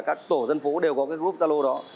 các tổ dân phố đều có cái group gia lô đó